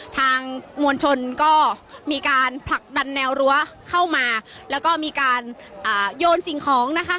ทางมวลชนก็มีการผลักดันแนวรั้วเข้ามาแล้วก็มีการโยนสิ่งของนะคะ